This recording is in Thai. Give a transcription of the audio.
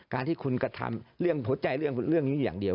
การที่คุณกระทำเรื่องหัวใจเรื่องนี้อย่างเดียว